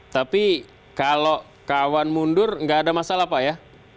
tapi kalau kawan mundur nggak ada masalah pak ya